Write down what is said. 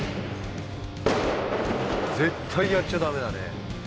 絶対やっちゃ駄目だね。